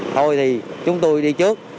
thôi thì chúng tôi đi trước